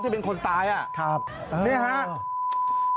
ที่เป็นคนตายน่ะนี่ฮะจริง